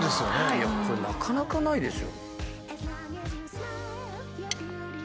いやこれなかなかないでしょ。